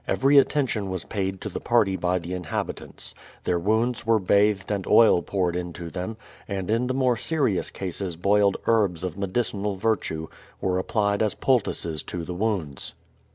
Every attention was paid to the party by the inhabitants. Their wounds were bathed and oil poured into them, and in the more serious cases boiled herbs of medicinal virtue were applied as poultices to the wounds.